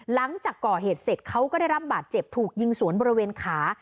หลังจากก่อเหตุเสร็จเขาก็ได้รับบาดเจ็บถูกยิงสวนบริเวณขา